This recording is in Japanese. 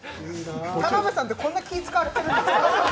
田辺さんってこんな気を使われてるんですか。